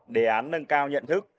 đề án nâng cao nhận thức